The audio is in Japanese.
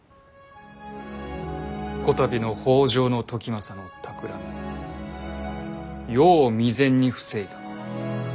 こたびの北条時政のたくらみよう未然に防いだ。